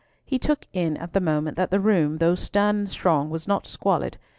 He took in at the moment that the room, though stern and strong, was not squalid.